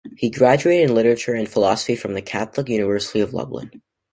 He graduated in literature and philosophy from the Catholic University of Lublin.